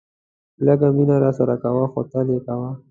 لږ مینه راسره کوه خو تل یې کوه.